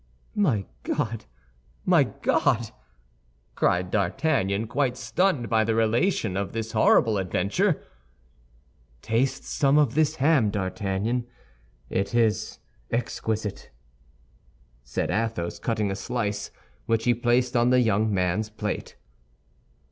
"My God, my God!" cried D'Artagnan, quite stunned by the relation of this horrible adventure. "Taste some of this ham, D'Artagnan; it is exquisite," said Athos, cutting a slice, which he placed on the young man's plate.